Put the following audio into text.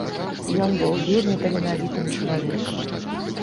Ён быў вельмі таленавітым чалавекам.